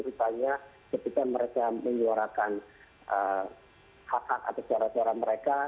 misalnya ketika mereka menyuarakan hak hak atau cara cara mereka